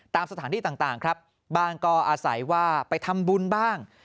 ตามสถานที่ต่างครับบ้างก็อาศัยว่าไปทำบุญบ้าง